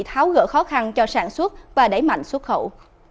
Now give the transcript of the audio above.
tháo gỡ khó khăn cho sản xuất và đẩy mạnh xuất khẩu